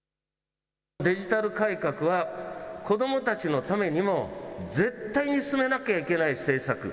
デジタル改革は、子どもたちのためにも、絶対に進めなきゃいけない政策。